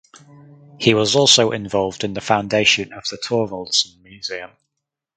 He was also involved in the foundation of the Thorvaldsen Museum.